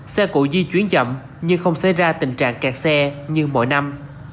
xe cụ di chuyển chậm nhưng không xảy ra tình trạng kẹt xe như mỗi năm